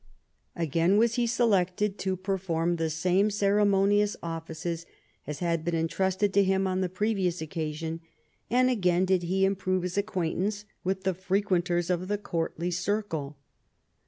Again was he selected to perform the same ceremonious offices as had been entrusted to him on the previous occasion, and again did he improve his .acquaintance with the frequenters of the courtly circle.